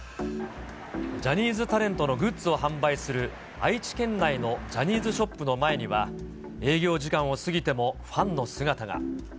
ジャニーズタレントのグッズを販売する愛知県内のジャニーズショップの前には、営業時間を過ぎてもファンの姿が。